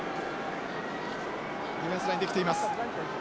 ディフェンスライン出来ています。